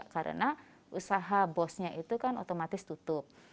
karena usaha bosnya itu kan otomatis tutup